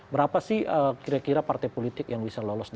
berapa sih kira kira partai politik yang bisa lolos